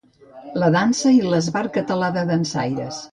La dansa i l'Esbart Català de Dansaires.